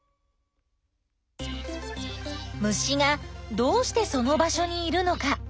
虫がどうしてその場所にいるのか？